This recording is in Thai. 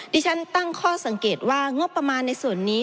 ที่ฉันตั้งข้อสังเกตว่างบประมาณในส่วนนี้